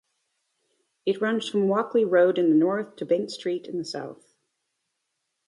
It runs from Walkley Road in the north to Bank Street in the south.